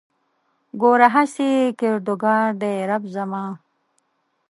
ګوره هسې کردګار دی رب زما